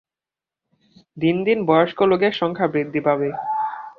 দিন দিন বয়স্ক লোকের সংখ্যা বৃদ্ধি পাবে।